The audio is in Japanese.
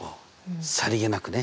さりげなくね？